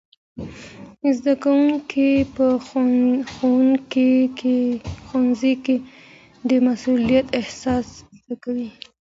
زدهکوونکي په ښوونځي کي د مسئولیت احساس زده کوي.